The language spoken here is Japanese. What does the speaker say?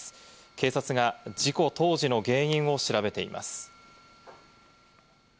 警察が事故当時の原因を調べています。